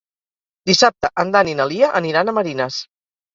Dissabte en Dan i na Lia aniran a Marines.